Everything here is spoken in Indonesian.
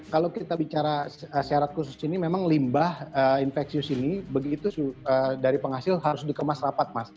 kalau kita bicara syarat khusus ini memang limbah infeksius ini begitu dari penghasil harus dikemas rapat mas